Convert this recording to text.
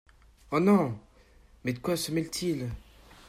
Oh ! non, mais de quoi se mêle-t-il ?